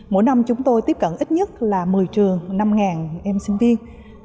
mỗi năm chúng tôi tiếp cận ít nhất là một mươi trường năm ngàn em sinh viên